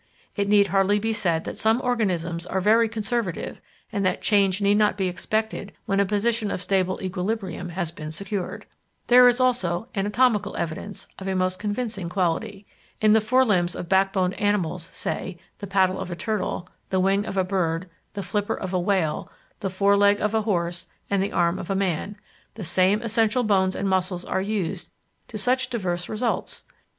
It need hardly be said that some organisms are very conservative, and that change need not be expected when a position of stable equilibrium has been secured. There is also anatomical evidence of a most convincing quality. In the fore limbs of backboned animals, say, the paddle of a turtle, the wing of a bird, the flipper of a whale, the fore leg of a horse, and the arm of a man; the same essential bones and muscles are used to such diverse results!